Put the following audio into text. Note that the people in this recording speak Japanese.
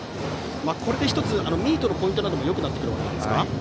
これで１つミートのポイントなどもよくなってくるわけですか。